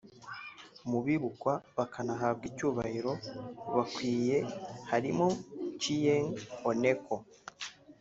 Mu bibukwa bakanahabwa icyubahiro bakwiye harimo Achieng’ Oneko